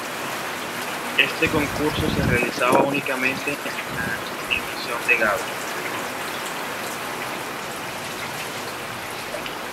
Este concurso se realizaba únicamente en la emisión de Gaby.